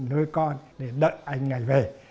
nuôi con để đợi anh ngày về